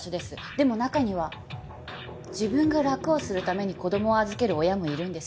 でも中には自分が楽をするために子供を預ける親もいるんです。